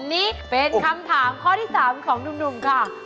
นี่เป็นคำถามข้อที่๓ของหนุ่มค่ะ